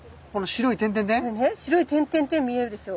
白い点々々見えるでしょ。